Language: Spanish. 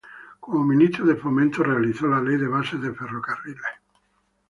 Como ministro de Fomento realizó la Ley de Bases de Ferrocarriles.